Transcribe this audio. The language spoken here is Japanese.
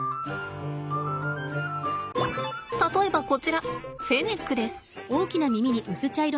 例えばこちらフェネックです。